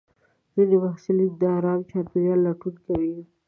ځینې محصلین د ارام چاپېریال لټون کوي.